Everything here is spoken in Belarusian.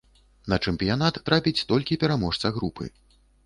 На чэмпіянат трапіць толькі пераможца групы.